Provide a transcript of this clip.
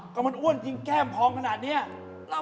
ก็มันอ้วนจริงแก้มพองขนาดนี้